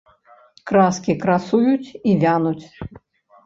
Краскі красуюць і вянуць.